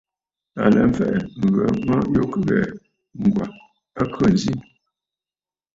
À lɛ mfɛ̀ʼɛ̀, ŋghə mə kɨ ghɛ̀ɛ̀, Ŋ̀gwà a khê ǹzi.